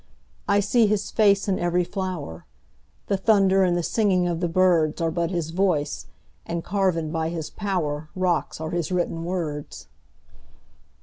I see his face in every flower; The thunder and the singing of the birdsAre but his voice—and carven by his powerRocks are his written words.